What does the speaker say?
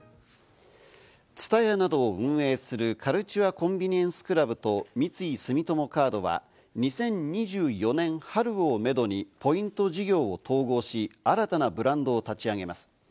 ＴＳＵＴＡＹＡなどを運営するカルチュア・コンビニエンス・クラブと三井住友カードは、２０２４年春をめどにポイント事業を統合し、新たなブランドを立ち上げます。